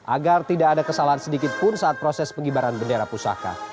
agar tidak ada kesalahan sedikit pun saat proses pengibaran bendera pusaka